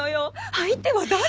相手は誰！？